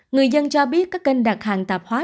người dân cho biết các kênh đặt hàng tạp hóa